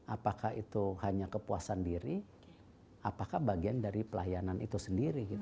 apakah itu hanya kepuasan diri apakah bagian dari pelayanan itu sendiri